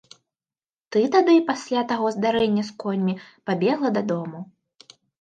Ты тады, пасля таго здарэння з коньмі, пабегла дадому.